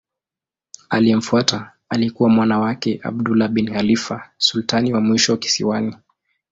Aliyemfuata alikuwa mwana wake Abdullah bin Khalifa sultani wa mwisho kisiwani.